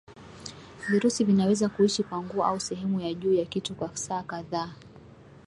Virusi vinaweza kuishi kwa nguo au sehemu ya juu ya kitu kwa saa kadhaa